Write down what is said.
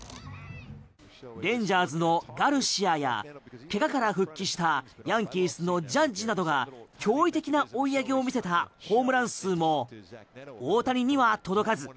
レンジャーズのガルシアや怪我から復帰したヤンキースのジャッジなどが驚異的な追い上げを見せたホームラン数も大谷には届かず。